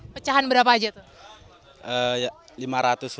pecahan berapa aja tuh